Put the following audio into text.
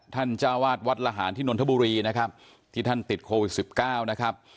ท่านจ้าวาสวัดละหารที่นวลธบุรีที่ท่านติดโควิด๑๙